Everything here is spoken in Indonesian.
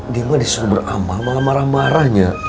dima disuruh beramal malah marah marahnya